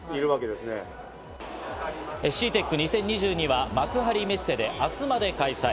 ＣＥＡＴＥＣ２０２２は幕張メッセで明日まで開催。